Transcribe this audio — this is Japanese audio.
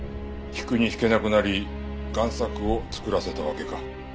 引くに引けなくなり贋作を作らせたわけか。